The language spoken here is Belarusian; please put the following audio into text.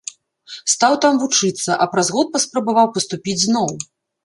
Стаў там вучыцца, а праз год паспрабаваў паступіць зноў.